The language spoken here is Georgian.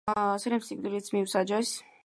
სელიმს სიკვდილიც მიუსაჯეს.